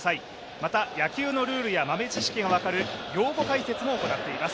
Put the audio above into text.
また野球のルールや豆知識が分かる用語解説も行っています。